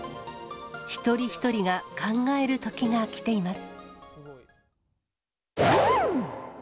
一人一人が考えるときが来ています。